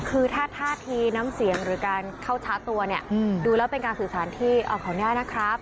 คือถ้าท่าทีน้ำเสียงหรือการเข้าชาร์จตัวเนี่ยดูแล้วเป็นการสื่อสารที่เอาขออนุญาตนะครับ